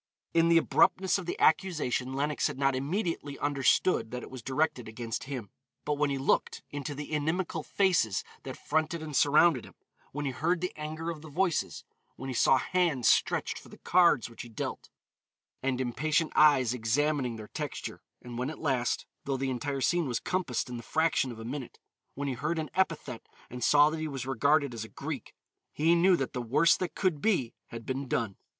In the abruptness of the accusation Lenox had not immediately understood that it was directed against him, but when he looked into the inimical faces that fronted and surrounded him, when he heard the anger of the voices, when he saw hands stretched for the cards which he dealt, and impatient eyes examining their texture, and when at last, though the entire scene was compassed in the fraction of a minute, when he heard an epithet and saw that he was regarded as a Greek, he knew that the worst that could be had been done.